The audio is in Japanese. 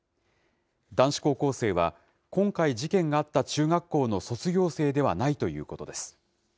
男子高校生は、今回事件があった中学校の卒業生ではないということです。